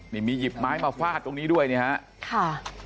มีหยิบไม้มาฟาดตรงนี้ด้วยนะฮะค่ะ